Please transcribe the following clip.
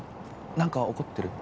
なんか怒ってる？